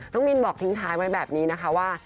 มินบอกทิ้งท้ายไว้แบบนี้นะคะว่า